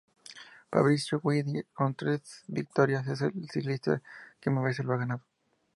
Fabrizio Guidi, con tres victorias, es el ciclista que más veces lo ha ganado.